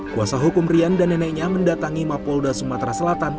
kuasa hukum rian dan neneknya mendatangi mapolda sumatera selatan